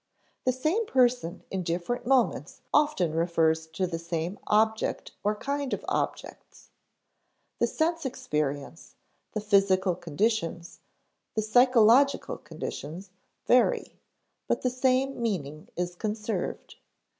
The same person in different moments often refers to the same object or kind of objects. The sense experience, the physical conditions, the psychological conditions, vary, but the same meaning is conserved.